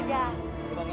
jangan lupa ya